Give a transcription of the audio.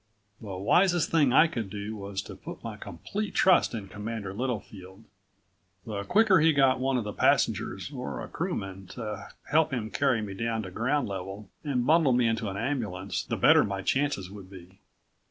The wisest thing I could do was to put my complete trust in Commander Littlefield. The quicker he got one of the passengers or a crewman to help him carry me down to ground level and bundle me into an ambulance the better my chances would be.